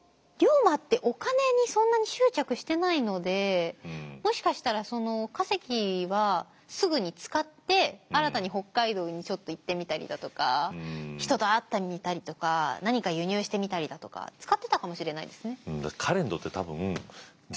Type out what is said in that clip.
龍馬ってもしかしたらその稼ぎはすぐに使って新たに北海道にちょっと行ってみたりだとか人と会ってみたりとか何か輸入してみたりだとか使ってたかもしれないですね。